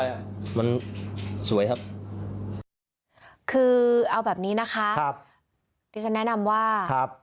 มันสวยครับคือเอาแบบนี้นะคะครับที่ฉันแนะนำว่าครับ